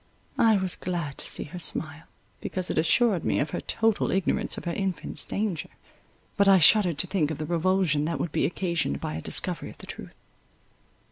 I was glad to see her smile, because it assured me of her total ignorance of her infant's danger: but I shuddered to think of the revulsion that would be occasioned by a discovery of the truth.